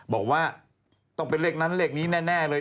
บอกว่าต้องเป็นเลขนั้นเลขนี้แน่เลย